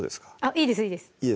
いいですいいです